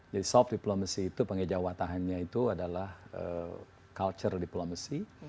jadi soft diplomasi itu pengejauh watahannya itu adalah culture diplomacy